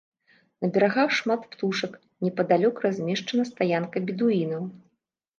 На берагах шмат птушак, непадалёк размешчана стаянка бедуінаў.